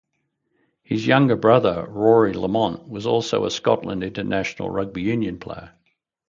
His younger brother Rory Lamont was also a Scotland international rugby union player.